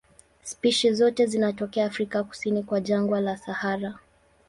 Spishi zote zinatokea Afrika kusini kwa jangwa la Sahara.